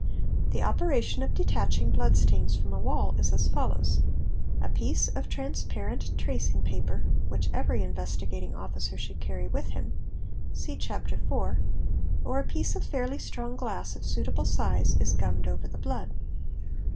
The operation of detaching blood stains from a wall is as follows: a piece of transparent tracing paper, which every Investigating Officer should carry with him (see_ Chap. IV. or a piece of fairly strong glass of suitable size is gummed | over the blood.